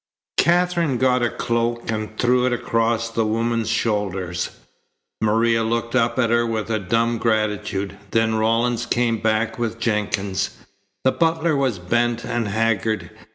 Katherine got a cloak and threw it across the woman's shoulders. Maria looked up at her with a dumb gratitude. Then Rawlins came back with Jenkins. The butler was bent and haggard.